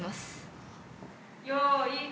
よい。